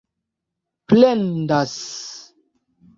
plendas